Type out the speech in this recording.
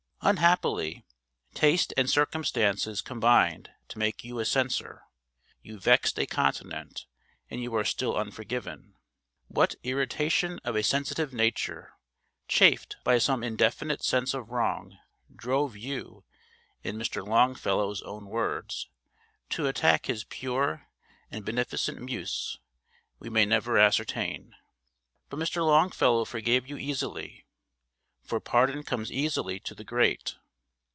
Unhappily, taste and circumstances combined to make you a censor; you vexed a continent, and you are still unforgiven. What 'irritation of a sensitive nature, chafed by some indefinite sense of wrong,' drove you (in Mr. Longfellow's own words) to attack his pure and beneficent Muse we may never ascertain. But Mr. Longfellow forgave you easily; for pardon comes easily to the great.